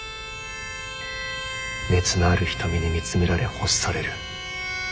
熱のある瞳に見つめられ欲される。